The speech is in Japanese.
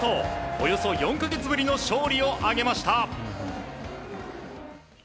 およそ４か月ぶりの勝利を挙げました。